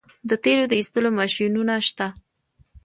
د تیلو د ایستلو ماشینونه شته.